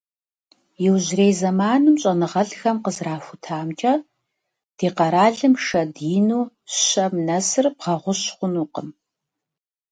Иужьрей зэманым щӀэныгъэлӀхэм къызэрахутамкӀэ, ди къэралым шэд ину щэм нэсыр бгъэгъущ хъунукъым.